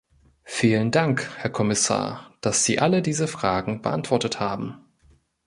Vielen Dank, Herr Kommissar, dass Sie alle diese Fragen beantwortet haben.